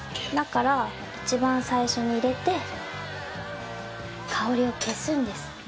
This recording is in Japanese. だから一番最初に入れて香りを消すんです。